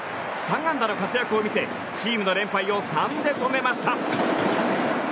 ３安打の活躍を見せチームの連敗を３で止めました。